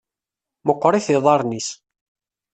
Meqqerit yiḍarren-is.